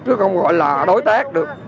chứ không gọi là đối tác được